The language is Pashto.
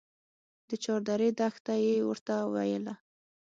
د چاردرې دښته يې ورته ويله.